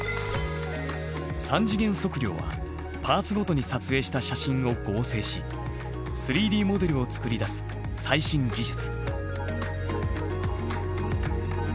３次元測量はパーツごとに撮影した写真を合成し３Ｄモデルを作り出す最新技術。